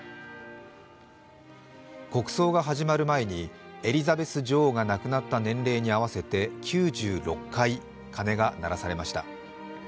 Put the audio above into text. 国葬が始まる前にエリザベス女王が亡くなった年齢に合わせて９６回、鐘が鳴らされました。